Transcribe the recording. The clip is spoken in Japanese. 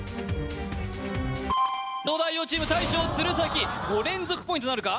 東大王チーム大将・鶴崎５連続ポイントなるか？